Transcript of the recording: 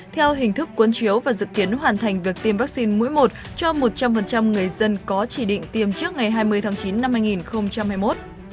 theo hình thức cuốn chiếu và dự kiến hoàn thành việc tiêm vaccine mũi một cho một trăm linh người dân có chỉ định tiêm trước ngày hai mươi tháng chín năm hai nghìn hai mươi một